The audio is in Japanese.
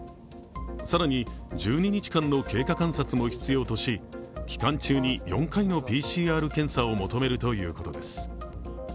更に１２日間の経過観察も必要とし、期間中に４回のＰＣＲ検査を求めるということです。